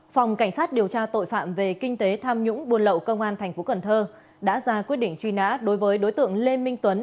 phòng cảnh sát điều tra tội phạm về kinh tế tham nhũng buôn lậu công an thành phố cần thơ đã ra quyết định truy nã đối với đối tượng lê minh tuấn